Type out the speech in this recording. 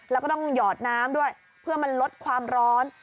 แล้วก็ต้องหยอดน้ำด้วยเพื่อมันลดความร้อน